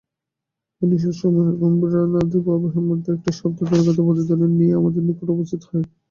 উপনিষদসমূহের গম্ভীরনাদী প্রবাহের মধ্যে একটি শব্দ দূরাগত প্রতিধ্বনির ন্যায় আমাদের নিকট উপস্থিত হয়।